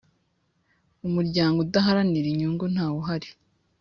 Umuryango udaharanira inyungu ntawuhari.